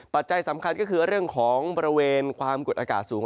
ปัจจัยสำคัญก็คือเรื่องของบริเวณความกดอากาศสูง